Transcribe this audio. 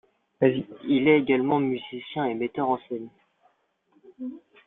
Il est également musicien et metteur en scène.